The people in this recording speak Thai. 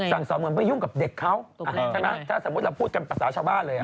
สอนเหมือนไปยุ่งกับเด็กเขาใช่ไหมถ้าสมมุติเราพูดกันภาษาชาวบ้านเลย